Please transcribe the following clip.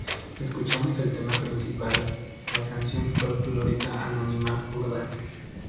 Escuchamos el tema principal, la canción folklórica anónima kurda.